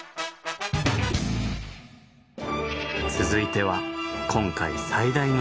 続いては今回最大の見どころ。